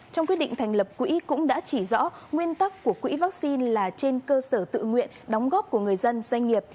trong quyết định thành lập quỹ cũng đã chỉ rõ nguyên tắc của quỹ vaccine là trên cơ sở tự nguyện đóng góp của người dân doanh nghiệp